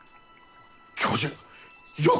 教授よくぞ！